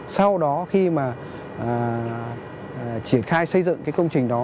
sau đó khi mà triển khai xây dựng cái công trình đó